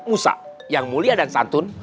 musa yang mulia dan santun